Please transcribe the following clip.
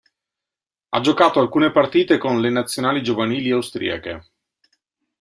Ha giocato alcune partite con le Nazionali giovanili austriache.